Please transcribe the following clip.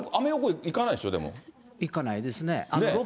行かないですね。